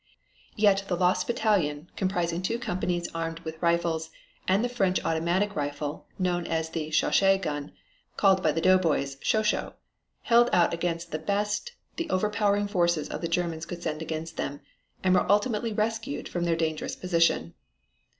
Yet the lost battalion, comprising two companies armed with rifles and the French automatic rifle known as the Chauchat gun, called by the doughboys "Sho Sho," held out against the best the overpowering forces of the Germans could send against them, and were ultimately rescued from their dangerous position.